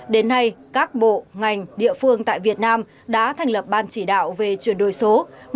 đến nay các bộ ngành địa phương tại việt nam đã thành lập ban chỉ đạo về chuyển đổi số